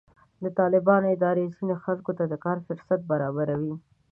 د طالبانو اداره ځینې خلکو ته د کار فرصتونه برابروي.